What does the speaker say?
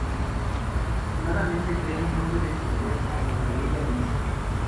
Desafortunadamente, Berry no puede entender lo que ella dice.